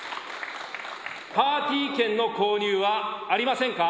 パーティー券の購入はありませんか。